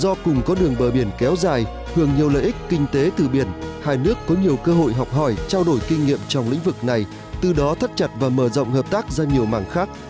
do cùng có đường bờ biển kéo dài hưởng nhiều lợi ích kinh tế từ biển hai nước có nhiều cơ hội học hỏi trao đổi kinh nghiệm trong lĩnh vực này từ đó thắt chặt và mở rộng hợp tác ra nhiều mảng khác